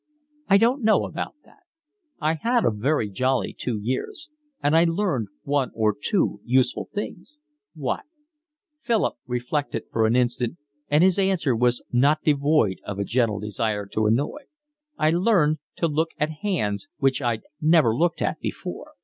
"I don't know about that. I had a very jolly two years, and I learned one or two useful things." "What?" Philip reflected for an instant, and his answer was not devoid of a gentle desire to annoy. "I learned to look at hands, which I'd never looked at before.